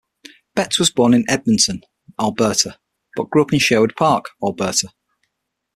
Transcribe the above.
Betts was born in Edmonton, Alberta, but grew up in Sherwood Park, Alberta.